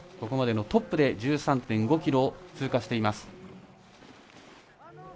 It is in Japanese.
ここまでのトップで１３．５ｋｍを通過しています。